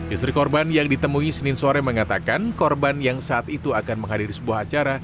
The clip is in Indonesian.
istri korban yang ditemui senin sore mengatakan korban yang saat itu akan menghadiri sebuah acara